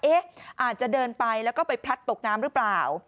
อาจจะเดินไปแล้วก็ไปพลัดตกน้ำหรือเปล่า